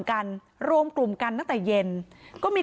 นางศรีพรายดาเสียยุ๕๑ปี